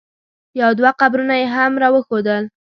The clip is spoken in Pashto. یو دوه قبرونه یې هم را وښودل.